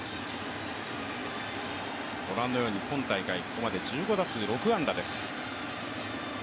ご覧のように今大会１５打数６安打です。